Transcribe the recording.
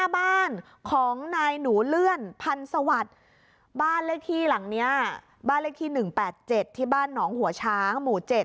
บ้านเลขที่๑๘๗ที่บ้านหนองหัวช้างหมู่๗